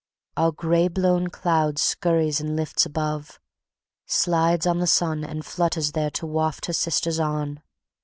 Our gray blown cloud scurries and lifts above, Slides on the sun and flutters there to waft her Sisters on.